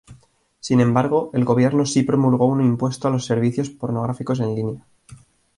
Sin embargo, el gobierno sí promulgó un impuesto a los servicios pornográficos en línea.